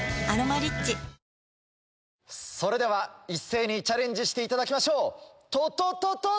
それでは一斉にチャレンジしていただきましょう。